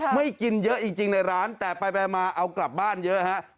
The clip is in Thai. ไม่กินเยอะจริงในร้านแต่ไปมาเอากลับบ้านเยอะฮะ